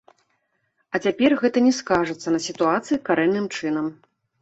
А цяпер гэта не скажацца на сітуацыі карэнным чынам.